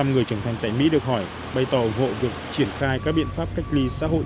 tám mươi người trưởng thành tại mỹ được hỏi bày tỏ ủng hộ được triển khai các biện pháp cách ly xã hội